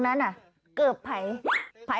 ย่าดาวเก่าอีกย้า